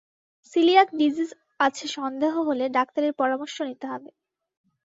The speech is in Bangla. সিলিয়াক ডিজিজ আছে সন্দেহ হলে ডাক্তারের পরামর্শ নিতে হবে।